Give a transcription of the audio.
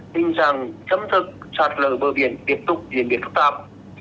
nên rằng chấm thực sát lở bờ biển tiếp tục diễn biến phức tạp